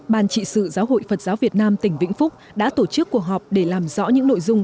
ban trị sự giáo hội phật giáo việt nam tỉnh vĩnh phúc đã tổ chức cuộc họp để làm rõ những nội dung